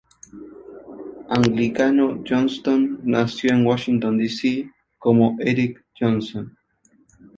Anglicano, Johnston nació en Washington D. C. como "Eric Johnson".